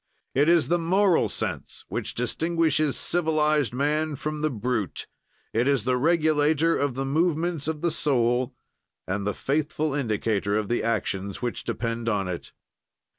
"It is the moral sense which distinguishes civilized man from the brute; it is the regulator of the movements of the soul and the faithful indicator of the actions which depend on it."